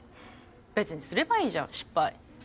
別にすればいいじゃん失敗。